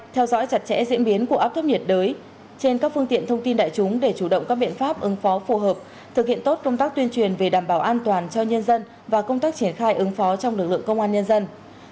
theo dõi chặt chẽ diễn biến của áp thấp nhiệt đới trên các phương tiện thông tin đại chúng để chủ động các biện pháp ứng phó phù hợp thực hiện tốt công tác tuyên truyền về đảm bảo an toàn cho nhân dân và công tác triển khai ứng phó trong lực lượng công an nhân dân